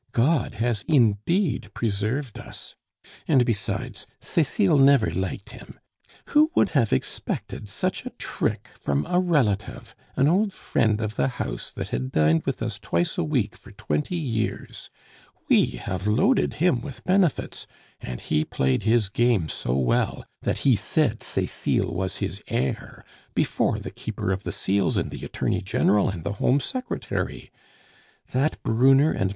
God has indeed preserved us! And besides, Cecile never liked him.... Who would have expected such a trick from a relative, an old friend of the house that had dined with us twice a week for twenty years? We have loaded him with benefits, and he played his game so well, that he said Cecile was his heir before the Keeper of the Seals and the Attorney General and the Home Secretary!... That Brunner and M.